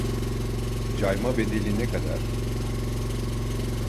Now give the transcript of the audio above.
Cayma bedeli ne kadar